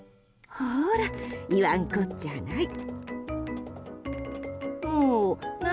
ほら、言わんこっちゃない。